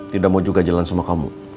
tidak mau juga jalan sama kamu